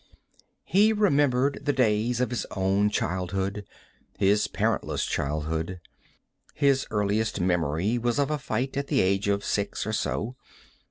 He remembered the days of his own childhood, his parentless childhood. His earliest memory was of a fight at the age of six or so.